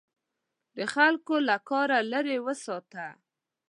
د خلکو له کاره لیرې وساته.